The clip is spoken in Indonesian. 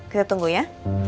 kita tunggu ya